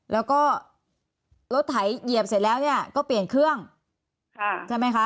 แล้วก็รถไถเหยียบเสร็จแล้วเนี่ยก็เปลี่ยนเครื่องใช่ไหมคะ